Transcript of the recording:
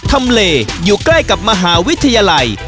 ทำเลอยู่ใกล้กับมหาวิทยาลัย